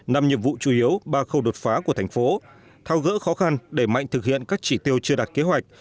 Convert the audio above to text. năm nhiệm vụ chủ yếu ba khâu đột phá của thành phố thao gỡ khó khăn để mạnh thực hiện các chỉ tiêu chưa đạt kế hoạch